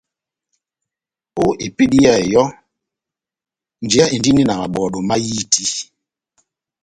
Ó epédi yá eyɔ́, njeyá inidini na mabɔ́dɔ mahiti.